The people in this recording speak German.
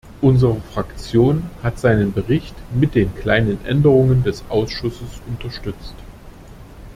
Unsere Fraktion hat seinen Bericht mit den kleinen Änderungen des Ausschusses unterstützt.